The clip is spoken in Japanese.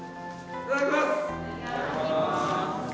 いただきます。